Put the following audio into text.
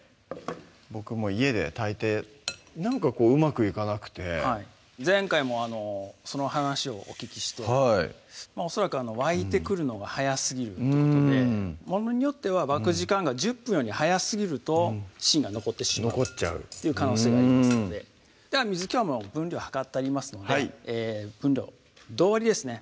僕も家で炊いてなんかこううまくいかなくてはい前回もその話をお聞きしてはい恐らく沸いてくるのが早すぎるってことでものによっては沸く時間が１０分より早すぎると芯が残ってしまうという可能性がありますので水きょうの分量量ってありますので分量同割りですね